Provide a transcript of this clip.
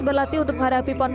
berlatih untuk menghadapi pondom